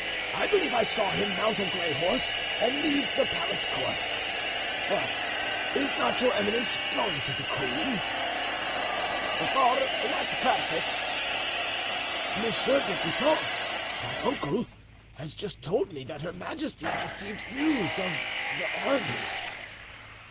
I believe I saw him mount a gray horse and leave the palace court. But is not your eminence going to the queen?" "For what purpose?" "Monsieur de Guitant, my uncle, has just told me that her majesty had received news of the army."